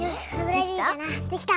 できた！